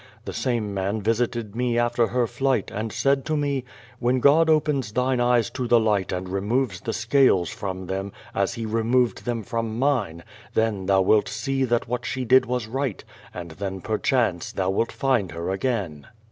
The same man visited me after her flight, and said to me, "When God opens thine eyes to the light and removtw the scales from them, as he removed them from mine, tiien thou wilt see that what she did was right, and then perchance thou wilt find her again.''